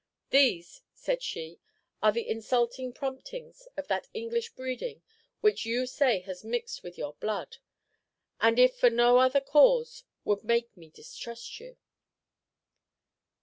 'These,' said she, 'are the insulting promptings of that English breeding which you say has mixed with your blood, and if for no other cause would make me distrust you.'